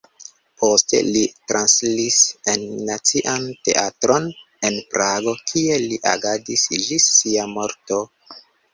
Poste li transiris en Nacian Teatron en Prago, kie li agadis ĝis sia morto.